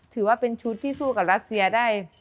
ถือว่าเป็นชุดที่สู้กับรัสเซียได้